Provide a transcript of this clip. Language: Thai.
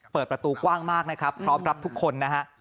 เปิดประตูกว้างมากนะครับพร้อมรับทุกคนนะฮะ